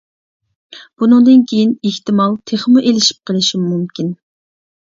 بۇنىڭدىن كېيىن، ئېھتىمال، تېخىمۇ ئېلىشىپ قېلىشىم مۇمكىن.